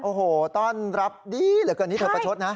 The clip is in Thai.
โอ้โหต้อนรับดีเหลือเกินนี้เธอประชดนะ